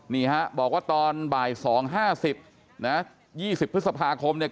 นี่ฮะบอกว่าตอนบ่าย๒๕๐นะ๒๐พฤษภาคมเนี่ย